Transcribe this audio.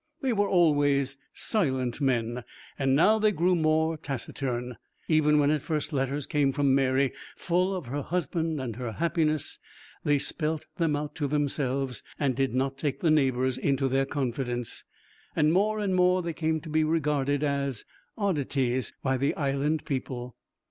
They were always silent men, and now they grew more taciturn. Even when at first letters came from Mary full of her husband and her happiness, they spelt them out to themselves and did not take the neighbours into their confidence. And more and more they came to be regarded as 'oddities' by the Island people.